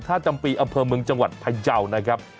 ถ้าจำปีอำเภอเมืองจังหวัดพยาวนะครับ